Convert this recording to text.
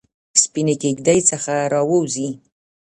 سپینې کیږ دۍ څخه راووزي